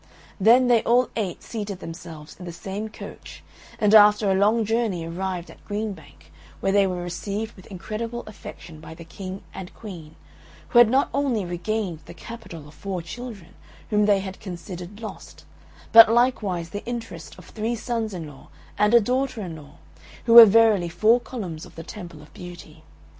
Then they all eight seated themselves in the same coach, and after a long journey arrived at Green Bank, where they were received with incredible affection by the King and Queen, who had not only regained the capital of four children, whom they had considered lost, but likewise the interest of three sons in law and a daughter in law, who were verily four columns of the Temple of Beauty.